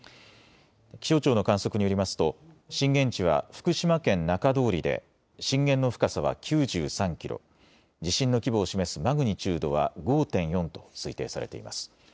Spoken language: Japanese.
気象庁の観測によりますと震源地は福島県中通りで震源の深さは９３キロ、地震の規模を示すマグニチュードは５．４と推定されています。